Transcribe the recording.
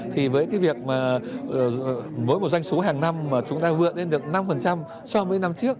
thì với cái việc mà mỗi một doanh số hàng năm mà chúng ta vượt lên được năm so với năm trước